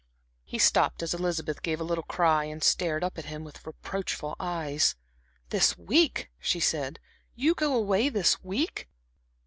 He stopped as Elizabeth gave a little cry and stared up at him with reproachful eyes. "This week," she said. "You go away this week?"